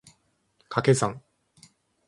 掛け算